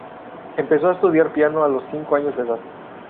Empezó a estudiar piano a los cinco años de edad.